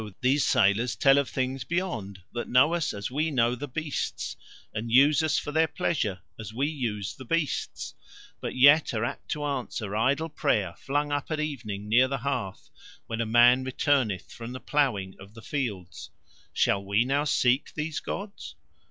these sailors tell of things beyond that know us as we know the beasts and use us for their pleasure as we use the beasts, but yet are apt to answer idle prayer flung up at evening near the hearth, when a man returneth from the ploughing of the fields. Shall we now seek these gods?"